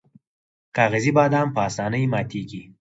کاغذي بادام په اسانۍ ماتیږي.